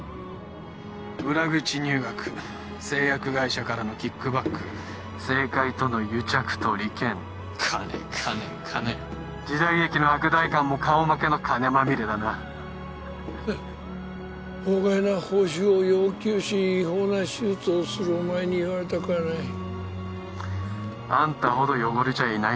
裏口入学製薬会社からのキックバック政界との癒着と利権金金金時代劇の悪代官も顔負けの金まみれだなふん法外な報酬を要求し違法な手術をするお前に言われたくはないあんたほど汚れちゃいない